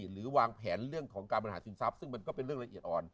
หรือวางแผนเรื่องของการบริหารสินทรัพย์ซึ่งมันก็เป็นเรื่องละเอียดอ่อน